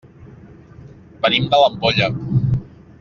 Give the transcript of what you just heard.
Venim de l'Ampolla.